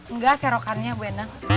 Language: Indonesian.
nggak serokannya bu endang